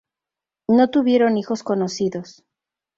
No tuvieron hijos conocidos.